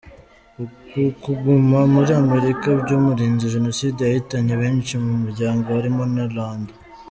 Uku kuguma muri Amerika, byamurinze Jenoside yahitanye benshi mu muryango harimo na Lando.